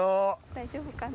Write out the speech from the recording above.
大丈夫かな？